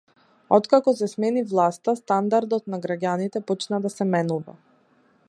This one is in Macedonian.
Откако се смени власта стандардот на граѓаните почна да се менува.